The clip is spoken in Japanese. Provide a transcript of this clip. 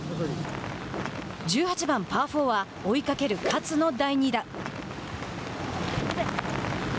１８番パー４は追いかける勝の第２打。